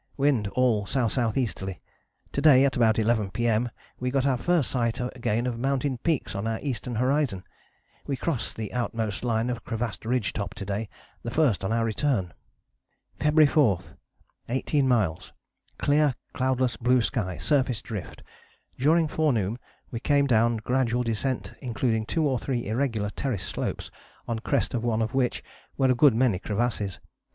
Wind all S.S.E.ly. To day at about 11 P.M. we got our first sight again of mountain peaks on our eastern horizon.... We crossed the outmost line of crevassed ridge top to day, the first on our return. [Illustration: BUCKLEY ISLAND Where The Fossils Were Found.] "February 4. 18 miles. Clear cloudless blue sky, surface drift. During forenoon we came down gradual descent including 2 or 3 irregular terrace slopes, on crest of one of which were a good many crevasses.